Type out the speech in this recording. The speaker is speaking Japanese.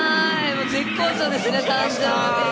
絶好調ですね、誕生日で。